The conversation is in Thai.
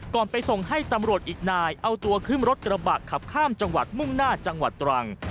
ไปส่งให้ตำรวจอีกนายเอาตัวขึ้นรถกระบะขับข้ามจังหวัดมุ่งหน้าจังหวัดตรัง